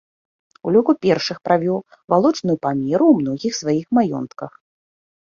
У ліку першых правёў валочную памеру ў многіх сваіх маёнтках.